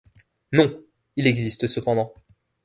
Non ! il existe cependant.